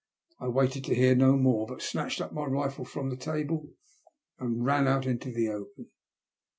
I waited to hear no more, but snatched up my rifle from the table and ran oat into the open.